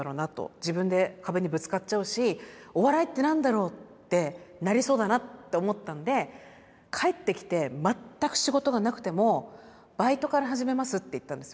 自分で壁にぶつかっちゃうしお笑いって何だろうってなりそうだなと思ったんで帰ってきて全く仕事がなくてもバイトから始めますって言ったんですよ。